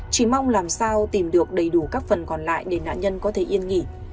chỉ mong làm sao tìm được đầy đủ các phần còn lại để nạn nhân có thể yên nghỉ